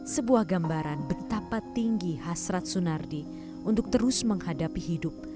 sebuah gambaran betapa tinggi hasrat sunardi untuk terus menghadapi hidup